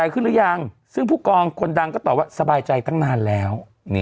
กล่องคนดังก็ตอบว่าสบายใจตั้งนานแล้ว